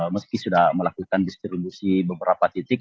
meski sudah melakukan distribusi beberapa titik